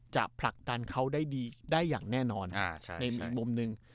จะผลักตันเขาได้ดีได้อย่างแน่นอนอ่าใช่ในมุมนึง